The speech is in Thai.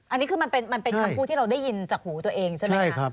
อันนี้คือมันเป็นคำพูดที่เราได้ยินจากหูตัวเองใช่ไหมคะ